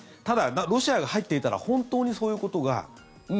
ただ、ロシアが入っていたら本当にそういうことが。